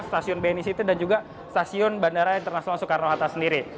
stasiun bni city dan juga stasiun bandara internasional soekarno hatta sendiri